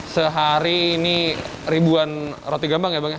sehari ini ribuan roti gambang ya bang ya